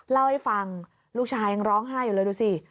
เล่าให้ฟังลูกชายยังร้องไห้อยู่เลยดูสิ